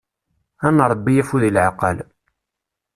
Ad nṛebbi afud i lɛeqqal.